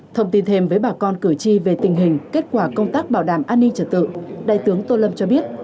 thông tin thêm với bà con cử tri về tình hình kết quả công tác bảo đảm an ninh trật tự đại tướng tô lâm cho biết